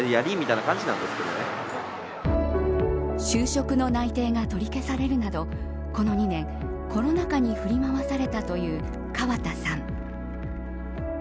就職の内定が取り消されるなどこの２年、コロナ禍に振り回されたという川田さん。